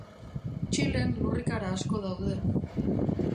Txilen lurrikara asko daude.